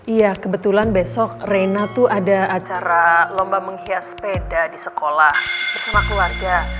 iya kebetulan besok rena tuh ada acara lomba menghias sepeda di sekolah bersama keluarga